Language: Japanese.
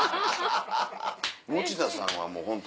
持田さんはもうホント。